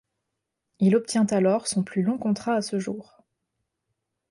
Il obtient alors son plus long contrat à ce jour.